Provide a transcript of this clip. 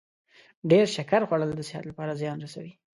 ډیر شکر خوړل د صحت لپاره زیان رسوي.